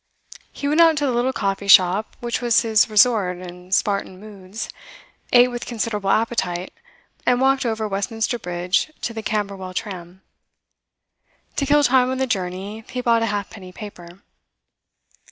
He went out to the little coffee shop which was his resort in Spartan moods, ate with considerable appetite, and walked over Westminster Bridge to the Camberwell tram. To kill time on the journey he bought a halfpenny paper.